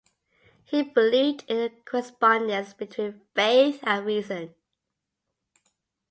He believed in the correspondence between faith and reason.